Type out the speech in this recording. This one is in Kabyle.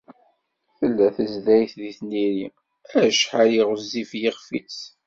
Tella tezdayt deg tniri, acḥal i ɣezzif yixef-is!